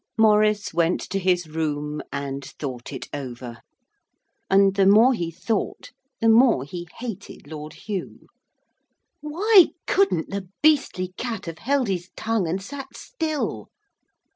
Maurice went to his room and thought it over. And the more he thought the more he hated Lord Hugh. Why couldn't the beastly cat have held his tongue and sat still?